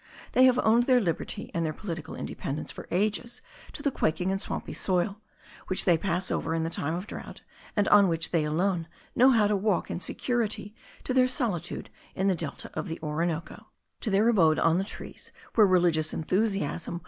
They have owed their liberty and their political independence for ages to the quaking and swampy soil, which they pass over in the time of drought, and on which they alone know how to walk in security to their solitude in the delta of the Orinoco; to their abode on the trees where religious enthusiasm will probably never lead any American stylites.